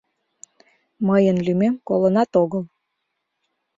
— Мыйын лӱмем колынат огыл.